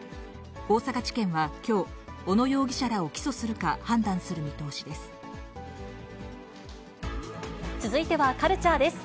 大阪地検はきょう、小野容疑者らを起訴するか判断する見通しです。